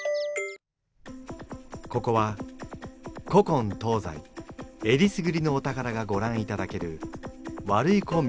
ここは古今東西えりすぐりのお宝がごらんいただけるワルイコミュージアム。